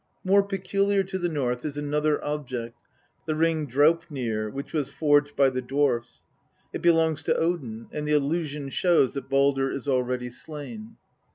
More peculiar to the North is another object, the ring Draupnir, which was forged by the dwarfs. It belongs to Odin, and the allusion shows that Baldr is already slain.